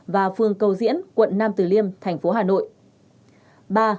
và phường cầu diễn quận nam tử liêm tp hcm